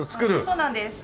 そうなんです。